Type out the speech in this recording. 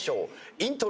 イントロ。